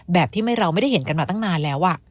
แบบที่เราไม่ได้เห็นกันมาตั้งนานแล้ว